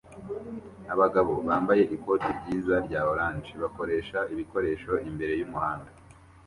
Abagabo bambaye ikoti ryiza rya orange bakoresha ibikoresho imbere yumuhanda